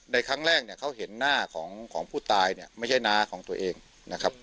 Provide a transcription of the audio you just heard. ในครั้งแรกเนี่ยเขาเห็นหน้าของผู้ตายเนี่ยไม่ใช่น้าของตัวเองนะครับ